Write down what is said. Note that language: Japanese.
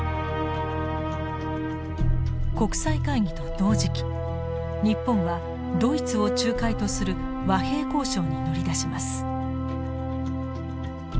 国際会議と同時期日本はドイツを仲介とする和平交渉に乗り出します。